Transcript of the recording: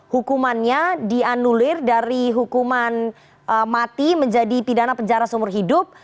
hukumannya dianulir dari hukuman mati menjadi pidana penjara seumur hidup